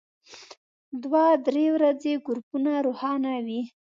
دوه درې ورځې ګروپونه روښانه وي.